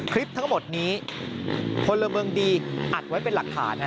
คลิปทั้งหมดนี้คนเรือเมืองดีอัดไว้เป็นหลักฐานนะฮะ